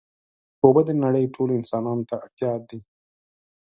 اوبه د نړۍ ټولو انسانانو ته اړتیا دي.